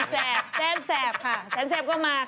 แซนแสบแซนแสบค่ะแซนแสบก็มาค่ะ